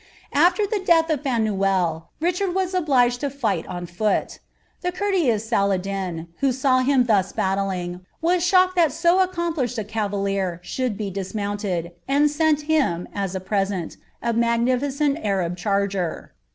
AFler the death of Fanuelle, Richard wa^ obliges! to figlit on foot. Thf »urteous Saladin. who saw him thus biiiilitig, was eliucked thu w accomplished a cavalier shimld be dismounted, and sent Imn. m j p seni, a masniliccnt Arab charger.